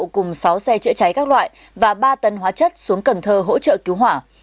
cùng sáu xe chữa cháy các loại và ba tân hóa chất xuống cần thơ hỗ trợ cứu hỏa